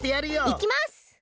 いきます！